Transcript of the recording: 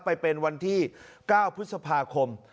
ไปเป็นวันที่๙พฤษภาคม